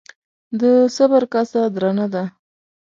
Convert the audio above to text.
د صبر کاسه درنه ده.